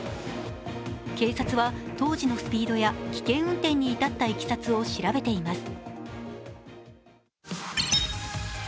警察は当時のスピードや危険運転に至ったいきさつを調べています。